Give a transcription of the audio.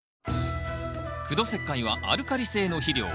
苦土石灰はアルカリ性の肥料。